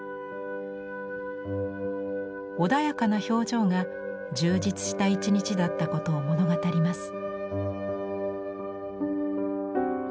穏やかな表情が充実した一日だったことを物語ります。